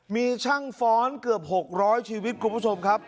มีช่างฟ้อนเกือบ๖๐๐ชีวิตคุณผู้ชมครับ